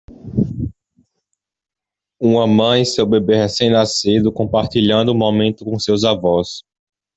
Uma mãe e seu bebê recém-nascido compartilhando um momento com seus avós.